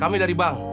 kami dari bank